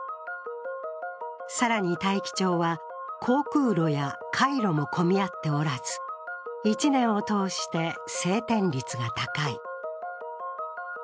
更に大樹町は、航空路や海路も混み合っておらず１年を通して晴天率が高い。